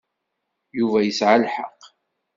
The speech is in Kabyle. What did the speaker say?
Yuba yesɛa lḥeqq.